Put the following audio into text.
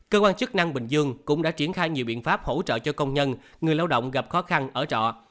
cơ quan chức năng bình dương cũng đã triển khai nhiều biện pháp hỗ trợ cho công nhân người lao động gặp khó khăn ở trọ